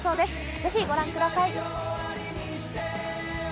ぜひご覧ください。